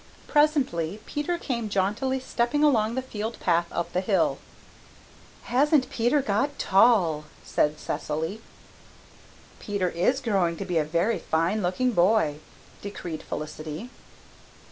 Presently Peter came jauntily stepping along the field path up the hill. "Hasn't Peter got tall?" said Cecily. "Peter is growing to be a very fine looking boy," decreed Felicity.